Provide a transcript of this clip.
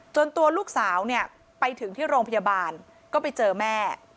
ตัวลูกสาวเนี่ยไปถึงที่โรงพยาบาลก็ไปเจอแม่